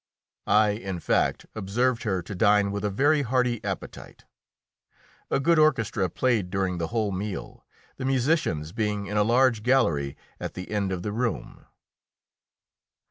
I, in fact, observed her to dine with a very hearty appetite. A good orchestra played during the whole meal, the musicians being in a large gallery at the end of the room.